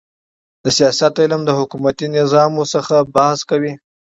د سیاست علم د حکومتي نظامو څخه بحث کوي.